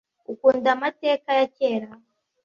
Ukunda amateka ya kera?